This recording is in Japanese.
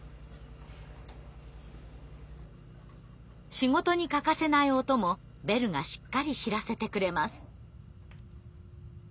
仕事に欠かせない音もベルがしっかり知らせてくれます。